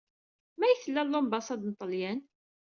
May tella lombasad n Ṭalyan?